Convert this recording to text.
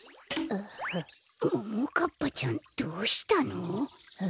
ももかっぱちゃんどうしたの？